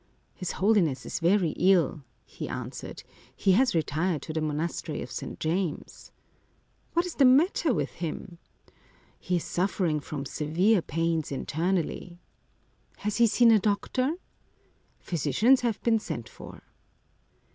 " His Holiness is very ill," he answered. " He has retired to the monastery of St. James." " What is the matter with him ?"" He is suffering from severe pains internally." 278 Chiapa Chocolate " Has he seen a doctor ?"" Physicians have been sent for."